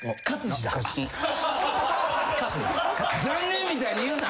残念みたいに言うな。